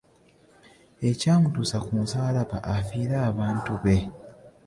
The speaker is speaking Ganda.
Ekyamutuusa ku musaalaba afiirire abantu be.